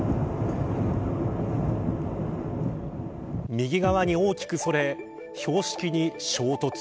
右側に大きくそれ標識に衝突。